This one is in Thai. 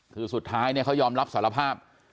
คือสุดท้ายเนี่ยเขายอมรับสารภาพ